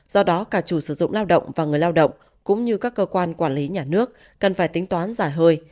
do đó cả chủ sử dụng lao động và người lao động cũng như các cơ quan quản lý nhà nước cần phải tính toán giả hơi